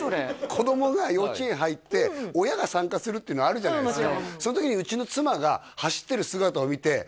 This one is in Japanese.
子供が幼稚園入って親が参加するっていうのあるじゃないですか